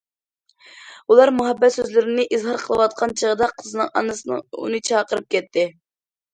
ئۇلار مۇھەببەت سۆزلىرىنى ئىزھار قىلىۋاتقان چېغىدا، قىزنىڭ ئانىسىنىڭ ئۇنى چاقىرىپ كەتتى.